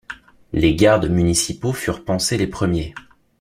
Les gardes municipaux furent pansés les premiers.